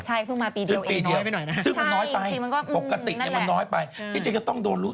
ใช่พรุ่งมาปีเดียวเองนะครับซึ่งมันน้อยไปปกติมันน้อยไปที่จะต้องโดนรู้